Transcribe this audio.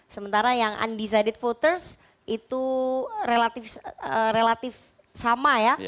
sementara yang undecided voters itu relatif sama ya